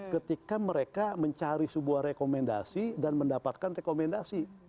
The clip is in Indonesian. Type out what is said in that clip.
ketika mereka mencari sebuah rekomendasi dan mendapatkan rekomendasi